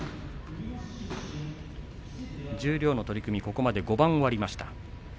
十両の取組、ここまで５番終わりました。